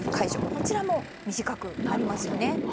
こちらも短くなりますよね。